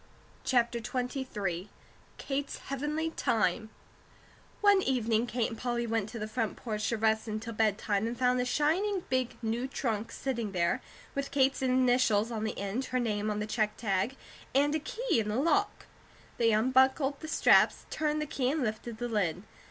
CHAPTER XXIII KATE'S HEAVENLY TIME ONE evening Kate and Polly went to the front porch to rest until bedtime and found a shining big new trunk sitting there, with Kate's initials on the end, her name on the check tag, and a key in the lock. They unbuckled the straps, turned the key, and lifted the lid.